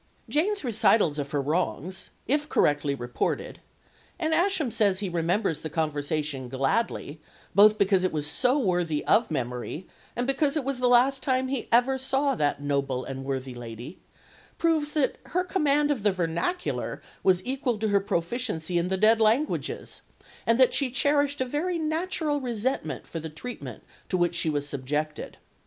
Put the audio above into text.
Jane's recital of her wrongs, if correctly reported and Ascham says he remembers the conversation gladly, both because it was so worthy of memory, and because it was the last time he ever saw that noble and worthy lady proves that her command of the vernacular was equal to her proficiency in the dead languages, and that she cherished a very natural resentment for the treatment to which she was subjected.